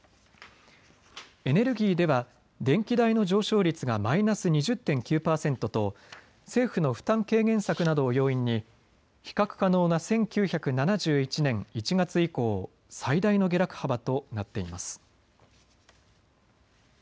エネルギーでは電気代の上昇率がマイナス２０．９％と政府の負担軽減策などを要因に比較可能な１９７１年１月以降、最大の下落幅となっています。